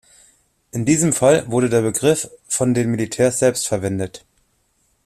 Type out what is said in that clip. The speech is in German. In diesem Fall wurde der Begriff von den Militärs selbst verwendet.